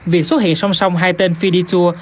việc xuất hiện song song hai tên fiditur